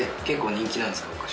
結構人気なんですか？